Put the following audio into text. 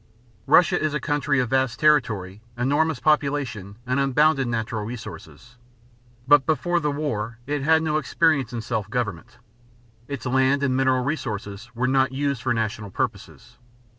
Russia is a country of vast territory, enormous population, and unbounded natural resources. But before the war it had no experience in self government. Its land and mineral resources were not used for national purposes.